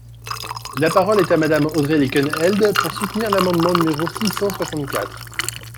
La parole est à Madame Audrey Linkenheld, pour soutenir l’amendement numéro six cent soixante-quatre.